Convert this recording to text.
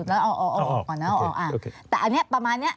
อันนี้ประมาณนี้